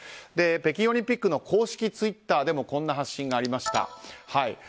北京オリンピックの公式ツイッターでもこんな発信がありました。